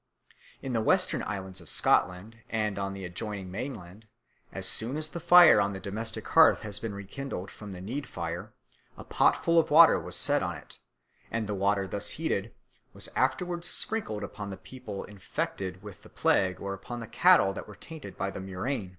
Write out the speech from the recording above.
In the western islands of Scotland and on the adjoining mainland, as soon as the fire on the domestic hearth had been rekindled from the need fire a pot full of water was set on it, and the water thus heated was afterwards sprinkled upon the people infected with the plague or upon the cattle that were tainted by the murrain.